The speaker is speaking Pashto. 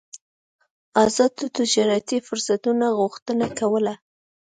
ازادو تجارتي فرصتونو غوښتنه کوله.